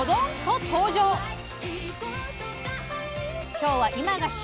今日は今が旬！